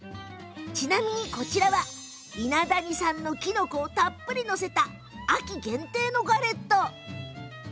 ちなみに、こちらは伊那谷産のきのこをたっぷり載せた秋限定のガレット。